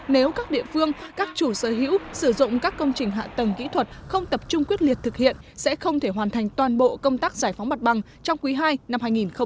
nếu các địa phương các chủ sở hữu sử dụng các công trình hạ tầng kỹ thuật không tập trung quyết liệt thực hiện sẽ không thể hoàn thành toàn bộ công tác giải phóng mặt bằng trong quý ii năm hai nghìn hai mươi